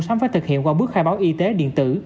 sám phải thực hiện qua bước khai báo y tế điện tử